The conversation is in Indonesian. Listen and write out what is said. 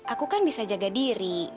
aku kan bisa jaga diri